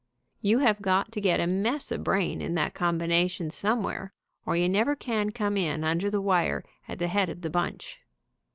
You have got to get a mess of brain in that combination, somewhere, or you never can come in under the wire at the head of the bunch.